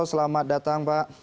selamat datang pak